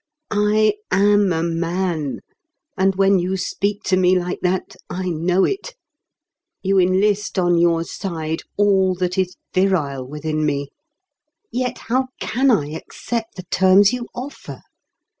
I am a man; and when you speak to me like that, I know it. You enlist on your side all that is virile within me. Yet how can I accept the terms you offer?